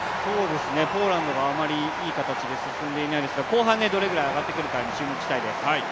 あまりいい形で進んでいないですが後半、どれぐらい上がってくるかに注目したいです。